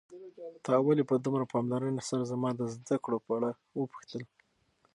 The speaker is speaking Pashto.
تا ولې په دومره پاملرنې سره زما د زده کړو په اړه وپوښتل؟